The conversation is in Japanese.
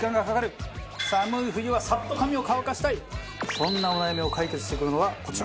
そんなお悩みを解決してくれるのがこちら。